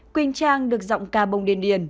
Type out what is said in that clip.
quỳnh trang được giọng ca bông điên điển